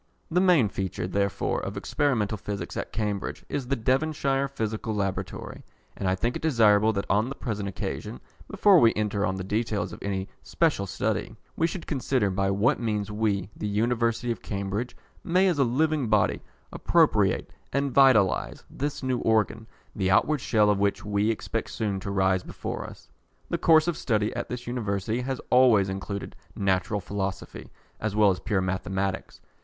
The main feature, therefore, of Experimental Physics at Cambridge is the Devonshire Physical Laboratory, and I think it desirable that on the present occasion, before we enter on the details of any special study, we should consider by what means we, the University of Cambridge, may, as a living body, appropriate and vitalise this new organ, the outward shell of which we expect soon to rise before us. The course of study at this University has always included Natural Philosophy, as well as Pure Mathematics.